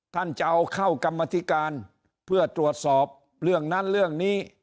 ท่านจะเอาเข้ากรรมธิการเพื่อตรวจสอบเรื่องนั้นเรื่องนี้